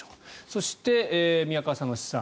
そして、宮川先生の試算